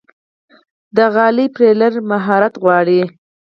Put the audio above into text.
د غالۍ مینځل مهارت غواړي.